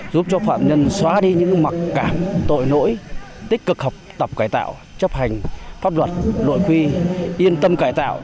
giúp cho phạm nhân xóa đi những mặc cảm tội nỗi tích cực học tập cải tạo chấp hành pháp luật nội quy yên tâm cải tạo